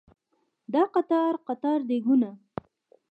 دا قطار قطار دیګونه